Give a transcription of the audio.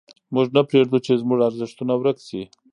موږ نه پرېږدو چې زموږ ارزښتونه ورک سي.